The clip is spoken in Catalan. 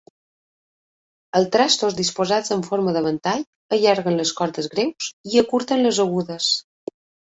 Els trastos disposats en forma de ventall allarguen les cordes greus i acurten les agudes.